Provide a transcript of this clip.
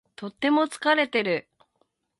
とても疲れている。